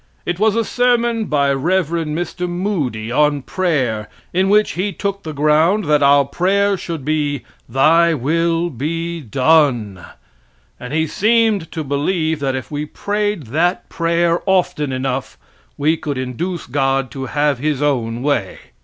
It was a sermon by Rev. Mr. Moody on prayer, in which he took the ground that our prayer should be "Thy will be done;" and he seemed to believe that if we prayed that prayer often enough we could induce God to have his own way.